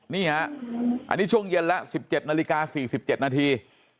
นี่ฮะอันนี้ช่วงเย็นแล้ว๑๗นาฬิกา๔๗นาที